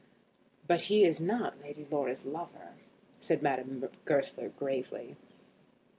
"But he is not Lady Laura's lover," said Madame Goesler, gravely.